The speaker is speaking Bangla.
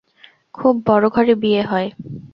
খুব বড় ঘরে বিয়ে হয়।